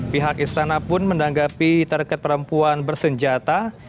pihak istana pun menanggapi terkait perempuan bersenjata